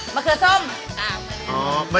เขือส้ม